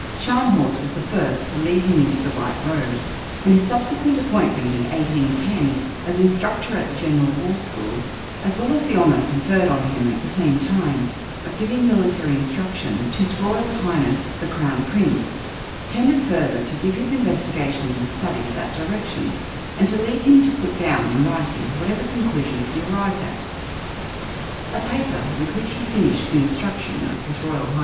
Scharnhorst was the first to lead him into the right road, and his subsequent appointment in 1810 as Instructor at the General War School, as well as the honour conferred on him at the same time of giving military instruction to H.R.H. the Crown Prince, tended further to give his investigations and studies that direction, and to lead him to put down in writing whatever conclusions he arrived at. A paper with which he finished the instruction of H.R.H.